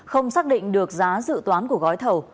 không xác định được giá dự toán của gói thầu